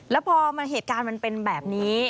แล้วพอเหตุการณ์มันเป็นแบบนี้